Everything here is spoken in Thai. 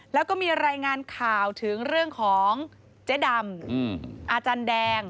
แล้วก็มีรายงานข่าวถึงเรื่องของเจ๊ดำอาจารย์แดง